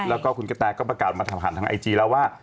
แล้วก็คุณกะแตก็ประกาศมาผ่านทางไอจีแล้วว่า